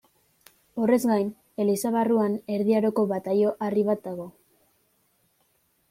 Horrez gain, eliza barruan Erdi Aroko bataio-harri bat dago.